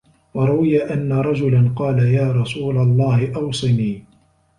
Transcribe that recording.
وَرُوِيَ أَنَّ رَجُلًا قَالَ يَا رَسُولَ اللَّهِ أَوْصِنِي